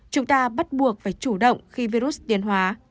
chúng ta bắt buộc phải chủ động khi virus tiến hóa